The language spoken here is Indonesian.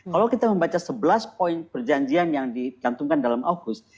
kalau kita membaca sebelas poin perjanjian yang dicantumkan dalam aukus